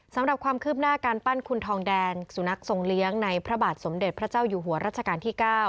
สำหรับความคืบหน้าการปั้นคุณทองแดงสุนัขทรงเลี้ยงในพระบาทสมเด็จพระเจ้าอยู่หัวรัชกาลที่๙